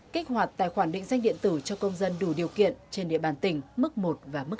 kích hoạt tài khoản định danh điện tử cho công dân đủ điều kiện trên địa bàn tỉnh mức một và mức hai